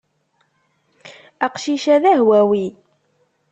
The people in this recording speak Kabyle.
Aqcic-a d ahwawi.